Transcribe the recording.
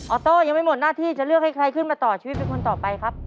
โต้ยังไม่หมดหน้าที่จะเลือกให้ใครขึ้นมาต่อชีวิตเป็นคนต่อไปครับ